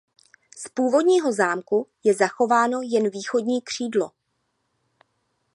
Z původního zámku je zachováno jen východní křídlo.